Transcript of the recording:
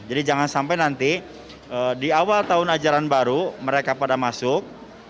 jadi jangan sampai nanti di awal tahun ajaran baru mereka pada masuk